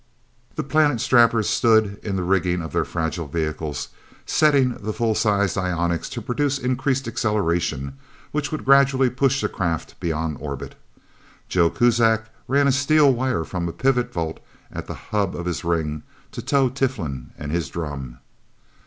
The Planet Strappers stood in the rigging of their fragile vehicles, setting the full sized ionics to produce increased acceleration which would gradually push the craft beyond orbit. Joe Kuzak ran a steel wire from a pivot bolt at the hub of his ring, to tow Tiflin and his drum.